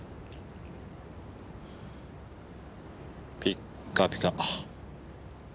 ピッカピカ。